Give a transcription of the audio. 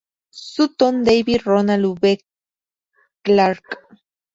Sutton, David: Ronald V. Clarke.